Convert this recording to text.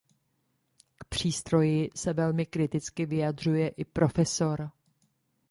K přístroji se velmi kriticky vyjadřuje i prof.